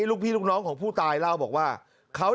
ลูกพี่ลูกน้องของผู้ตายเล่าว่า